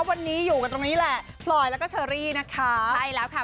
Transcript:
วันนี้อยู่กันตรงนี้แหละพลอยแล้วก็เชอรี่นะคะใช่แล้วค่ะ